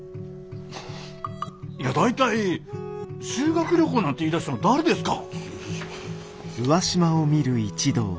いや大体修学旅行なんて言いだしたの誰ですか？